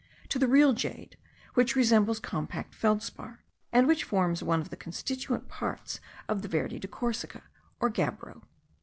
to the real jade, which resembles compact feldspar, and which forms one of the constituent parts of the verde de Corsica, or gabbro.